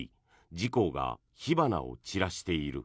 自公が火花を散らしている。